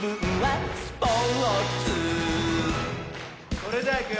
それじゃいくよ